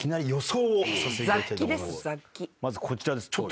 まずこちらです。